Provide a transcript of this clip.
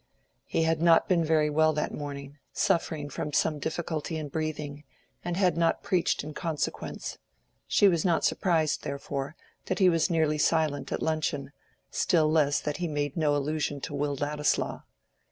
He had not been very well that morning, suffering from some difficulty in breathing, and had not preached in consequence; she was not surprised, therefore, that he was nearly silent at luncheon, still less that he made no allusion to Will Ladislaw.